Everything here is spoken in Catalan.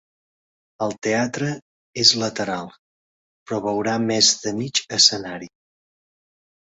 El teatre és lateral, però veurà més de mig escenari.